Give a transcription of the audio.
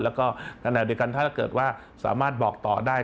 แล้วก็ขณะเดียวกันถ้าเกิดว่าสามารถบอกต่อได้